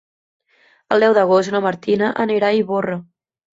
El deu d'agost na Martina anirà a Ivorra.